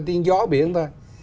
tiếng gió biển thôi